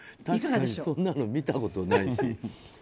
確かにそんなの見たことないし。